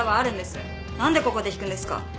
何でここで引くんですか？